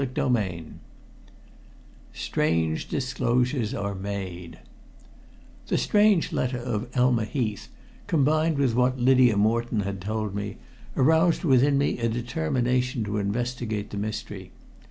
CHAPTER IX STRANGE DISCLOSURES ARE MADE The strange letter of Elma Heath, combined with what Lydia Moreton had told me, aroused within me a determination to investigate the mystery.